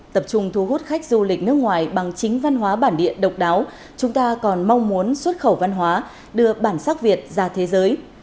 tập trung thu hút khách du lịch nước ngoài bằng chính văn hóa bản địa độc đáo chúng ta còn mong muốn xuất khẩu văn hóa đưa bản sắc việt ra thế giới